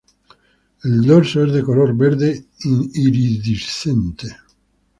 El dorso es de color verde iridiscente.